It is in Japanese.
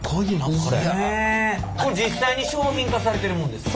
これ実際に商品化されてるもんですか？